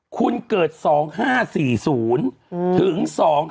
คุณเกิด๒๕๔๐ถึง๒๕๖